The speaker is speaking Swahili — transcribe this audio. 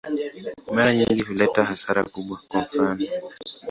Mara nyingi huleta hasara kubwa, kwa mfano.